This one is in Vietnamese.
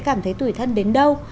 cảm thấy tủi thân đến đâu